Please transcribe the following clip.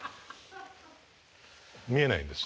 見えないんです。